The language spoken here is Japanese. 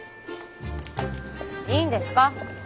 いいんですか？